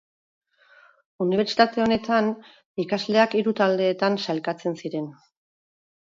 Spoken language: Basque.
Unibertsitate honetan ikasleak hiru taldeetan sailkatzen ziren.